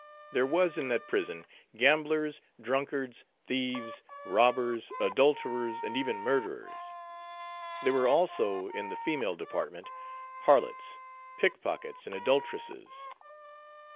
There was in that prison, gamblers, drunkards, thieves, robbers, adulterers, and even murderers. There were also in the female department, harlots, pick pockets, and adulteresses.